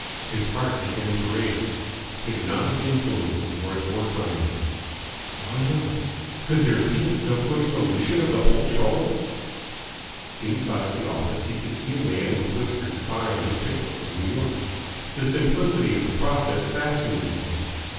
His heart began to race. Hypnotic influences were at work on him. Why not? Could there be a simpler solution of the whole trouble? Inside the office he would see a man with whiskers buying a ticket for New York. The simplicity of the process fascinated him.